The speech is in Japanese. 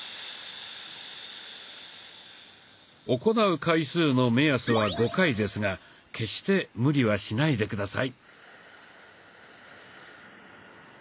行う回数の目安は５回ですが決して無理はしないで下さい。